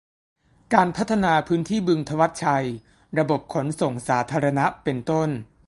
การพัฒนาพื้นที่บึงธวัชชัย ระบบขนส่งสาธารณะ เป็นต้น